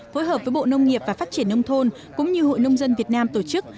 phối hợp với bộ nông nghiệp và phát triển nông thôn cũng như hội nông dân việt nam tổ chức